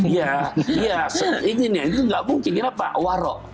ya seinginnya itu nggak mungkin kenapa waro